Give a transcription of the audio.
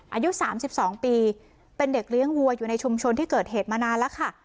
อายุ๓๒ปีเป็นเด็กเลี้ยงวัวอยู่ในชุมชนที่เกิดเหตุมานานแล้วค่ะ